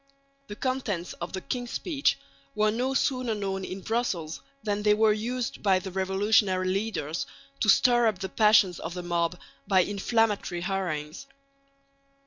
The contents of the king's speech were no sooner known in Brussels than they were used by the revolutionary leaders to stir up the passions of the mob by inflammatory harangues.